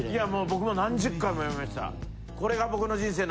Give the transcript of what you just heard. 僕も何十回も読みました。